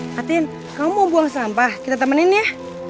fatin kamu mau buang sampah kita temenin ya